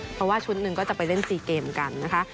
เพราะว่าชุดหนึ่งก็จะไปเล่นซีเกมกันนะคะ